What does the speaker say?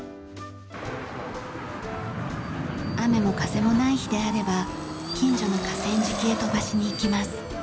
雨も風もない日であれば近所の河川敷へ飛ばしに行きます。